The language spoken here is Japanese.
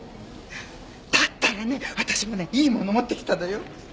だったらね私もねいいもの持ってきたのよ。